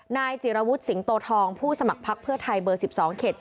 นายจิระวุธสิงตโตทองผู้สมัครพักเพื่อไทย๑๒๔